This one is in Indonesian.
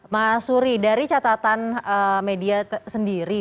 mas suri dari catatan media sendiri